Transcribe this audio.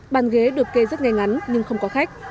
bàn ghế được kê rất nhanh ngắn nhưng không có khách